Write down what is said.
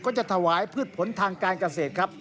จะถวายพืชผลทางการเกษตรครับ